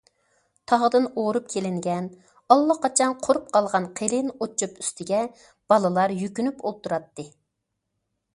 تاغدىن ئورۇپ كېلىنگەن، ئاللىقاچان قۇرۇپ قالغان قېلىن ئوت- چۆپ ئۈستىگە بالىلار يۈكۈنۈپ ئولتۇراتتى.